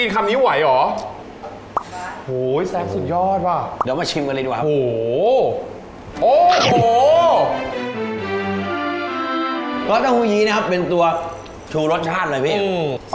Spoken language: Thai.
สเต้าหู้ยีนะครับเป็นตัวชูรสชาติเลยพี่เอก